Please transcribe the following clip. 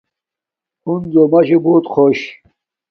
ہنزو ماشو بوت خوش چھا